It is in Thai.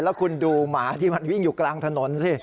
แล้วคุณดูหมาที่มันวิ่งอยู่กลางถนนสิ